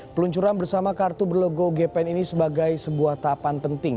peluncuran bersama kartu berlogo gpn ini sebagai sebuah tahapan penting